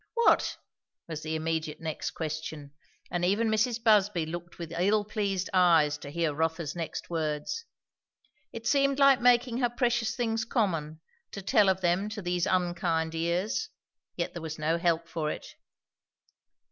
"What?" was the immediate next question; and even Mrs. Busby looked with ill pleased eyes to hear Rotha's next words. It seemed like making her precious things common, to tell of them to these unkind ears. Yet there was no help for it.